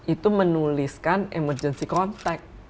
itu menuliskan emergency contact